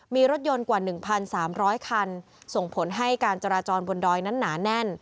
มีรถยนต์กว่า๑๓๐๐คันส่งผลให้การจราจรบนดอยนั้นหนาแน่น